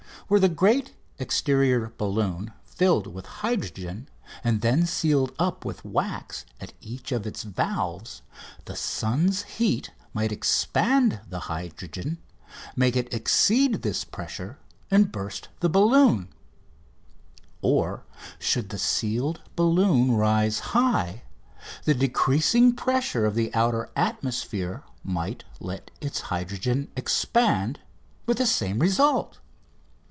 Were the great exterior balloon filled with hydrogen and then sealed up with wax at each of its valves, the sun's heat might expand the hydrogen, make it exceed this pressure, and burst the balloon; or should the sealed balloon rise high, the decreasing pressure of the outer atmosphere might let its hydrogen expand, with the same result.